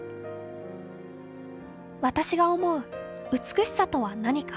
『私が思う美しさとは何か』